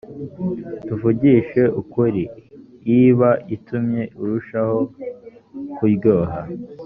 tuvugishije ukuri iba itumye irushaho kuryoha